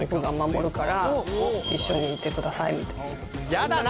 やだな。